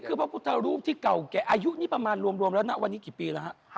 คือพระพุทธรูปที่เก่าแก่อายุนี่ประมาณรวมแล้วนะวันนี้กี่ปีแล้วฮะ